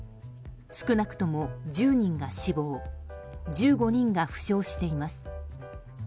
少なくとも１０人が死亡１５人が負傷しています。